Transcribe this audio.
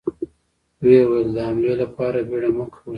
ويې ويل: د حملې له پاره بيړه مه کوئ!